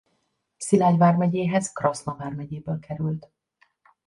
Szilágy vármegyéhez Kraszna vármegyéből került.